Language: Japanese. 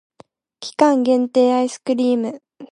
期間限定アイスクリーム